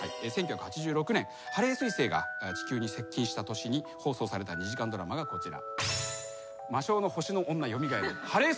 ハレー彗星が地球に接近した年に放送された２時間ドラマがこちら。